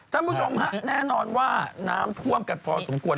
ท่านผู้ชมฮะแน่นอนว่าน้ำท่วมกันพอสมควร